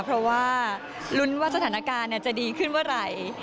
เพราะว่าลุ้นว่าสถานการณ์จะดีขึ้นเมื่อไหร่